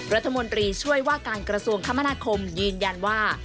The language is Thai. รัฐมนตรีช่วยว่าการกระทรวงคมนาคมยืนยันว่า